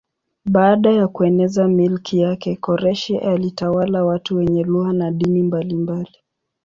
Baada ya kueneza milki yake Koreshi alitawala watu wenye lugha na dini mbalimbali.